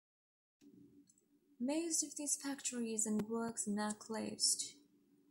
Most of these factory's and works are now closed.